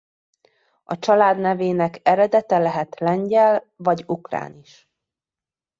A család nevének eredete lehet lengyel vagy ukrán is.